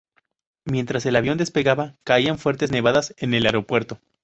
Mientras el avión despegaba caían fuertes nevadas en el aeropuerto.